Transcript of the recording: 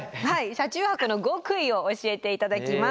車中泊の極意を教えて頂きます。